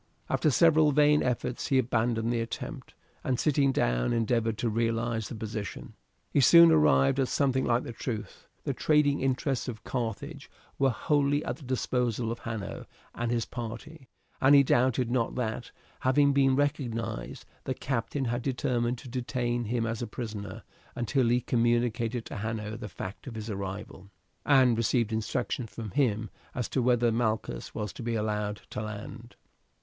After several vain efforts he abandoned the attempt, and sitting down endeavoured to realize the position. He soon arrived at something like the truth: the trading interests of Carthage were wholly at the disposal of Hanno and his party, and he doubted not that, having been recognized, the captain had determined to detain him as a prisoner until he communicated to Hanno the fact of his arrival, and received instructions from him as to whether Malchus was to be allowed to land.